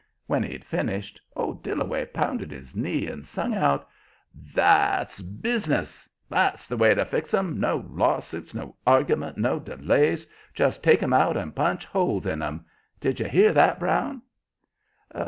When he'd finished, old Dillaway pounded his knee and sung out: "That's bus'ness! That's the way to fix 'em! No lawsuits, no argument, no delays. Just take 'em out and punch holes in 'em. Did you hear that, Brown?"